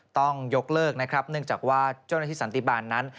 ต้องยกเลิกนะครับเนื่องจากว่าเจ้าหน้าที่สันติบาลนั้น